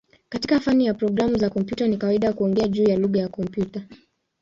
Katika fani ya programu za kompyuta ni kawaida kuongea juu ya "lugha ya kompyuta".